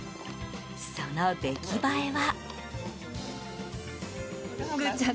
その出来栄えは。